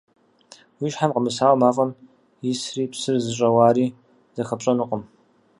Уи щхьэм къэмысауэ мафӀэм исри псыр зыщӀэуари зыхэпщӀэнукъым.